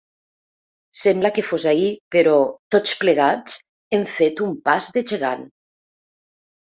Sembla que fos ahir, però tots plegats hem fet un pas de gegant.